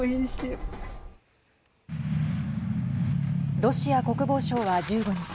ロシア国防省は１５日